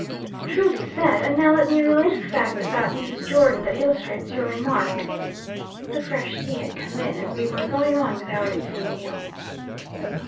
"Truly said. And now let me relate a fact about Mrs. Jordon, that illustrates your remark." (The fresh tea had come in, and we were going on with our evening meal.)